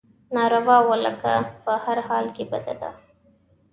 ناروا ولکه په هر حال کې بده ده.